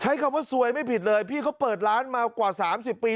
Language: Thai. ใช้คำว่าซวยไม่ผิดเลยพี่เขาเปิดร้านมากว่า๓๐ปี